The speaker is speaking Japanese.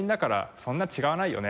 そんな違わないよね